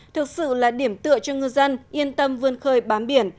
thực sự là điểm tựa cho ngư dân yên tâm vươn khơi bám biển